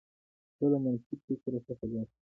زه له منفي فکرو څخه ځان ساتم.